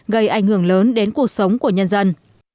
gây ảnh hưởng lớn đến cuộc sống của nhân dân